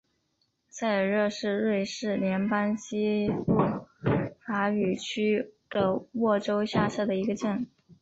塞尔热是瑞士联邦西部法语区的沃州下设的一个镇。